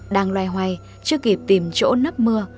đang loay hoay chưa kịp tìm chỗ nấp mưa